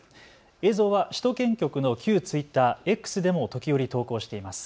映像は首都圏局の旧ツイッター、Ｘでも時折、投稿しています。